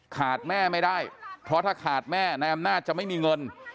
แม่ไม่ได้เพราะถ้าขาดแม่นายอำนาจจะไม่มีเงิน